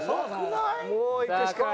もういくしかないね。